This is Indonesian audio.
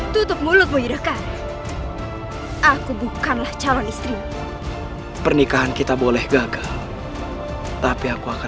tutup mulut menyerahkan aku bukanlah calon istri pernikahan kita boleh gagal tapi aku akan